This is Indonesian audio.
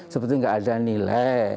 seperti tidak ada nilai